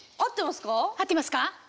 合ってますか？